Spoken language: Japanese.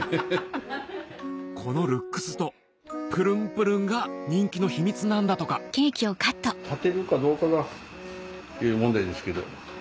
このルックスとプルンプルンが人気の秘密なんだとか立てるかどうかがっていう問題ですけど。